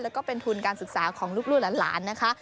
แล้วก็เป็นทุนการศึกษาของลูกหลานนะคะ